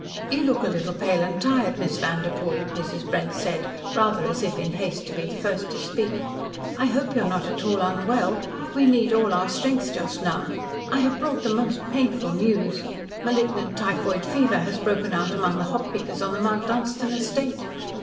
"You look a little pale and tired, Miss Vanderpoel," Mrs. Brent said, rather as if in haste to be the first to speak. "I hope you are not at all unwell. We need all our strength just now. I have brought the most painful news. Malignant typhoid fever has broken out among the hop pickers on the Mount Dunstan estate.